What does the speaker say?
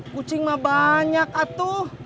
kucing mah banyak atuh